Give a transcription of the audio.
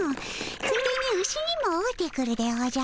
ついでにウシにも会うてくるでおじゃる。